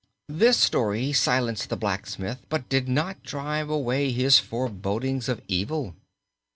This story silenced the blacksmith but did not drive away his forebodings of evil.